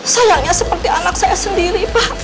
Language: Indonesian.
sayangnya seperti anak saya sendiri pak